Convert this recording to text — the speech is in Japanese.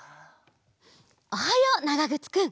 おはようながぐつくん！